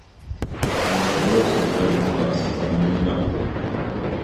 Мы не просім танны газ, танную нафту.